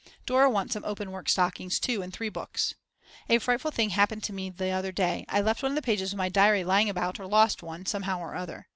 Dora wants some openwork stockings too and three books. A frightful thing happened to me the other day. I left one of the pages of my diary lying about or lost one somehow or other.